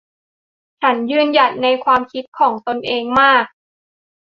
ฉันยืนหยัดในความคิดของตนเองมาก